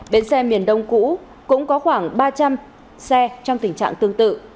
bến xe miền đông cũ cũng có khoảng ba trăm linh xe trong tình trạng tương tự